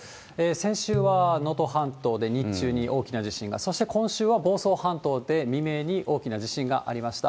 先週は能登半島で日中に大きな地震が、そして今週は房総半島で未明に大きな地震がありました。